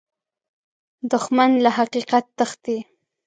دښمن له حقیقت تښتي